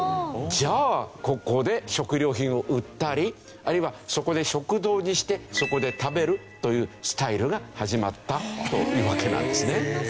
じゃあここで食料品を売ったりあるいはそこで食堂にしてそこで食べるというスタイルが始まったというわけなんですね。